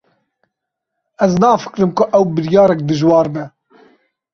Ez nafikirim ku ew biryarek dijwar be.